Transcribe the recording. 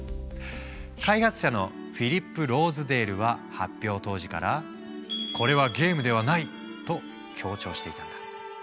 開発者のフィリップ・ローズデールは発表当時からと強調していたんだ。